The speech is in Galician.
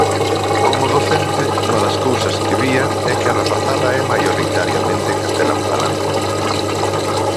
Como docente, unha das cousas que vía é que a rapazada é maioritariamente castelanfalante.